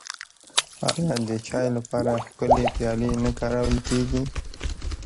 آیا د چای لپاره ښکلې پیالې نه کارول کیږي؟